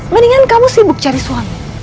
mendingan kamu sibuk cari suami